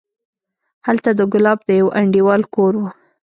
هلته د ګلاب د يوه انډيوال کور و.